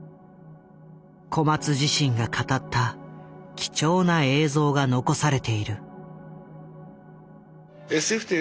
小松自身が語った貴重な映像が残されている。